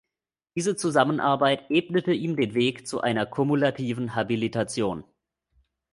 Diese Zusammenarbeit ebnete ihm den Weg zu einer kumulativen Habilitation.